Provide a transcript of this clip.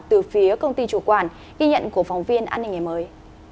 từ phía công ty chủ quản ghi nhận của phóng viên an ninh ngày mới